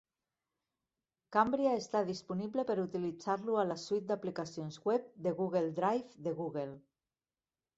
Cambria està disponible per utilitzar-lo a la suite d'aplicacions web de Google Drive de Google.